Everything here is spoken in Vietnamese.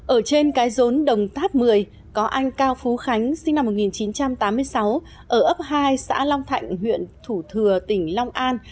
ở trên cái rốn đồng tháp một mươi có anh cao phú khánh sinh năm một nghìn chín trăm tám mươi sáu ở ấp hai xã long thạnh huyện thủ thừa tỉnh long an